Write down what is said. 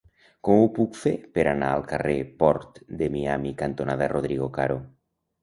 Com ho puc fer per anar al carrer Port de Miami cantonada Rodrigo Caro?